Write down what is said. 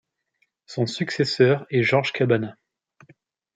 Son successeur est Georges Cabana.